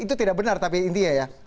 itu tidak benar tapi intinya ya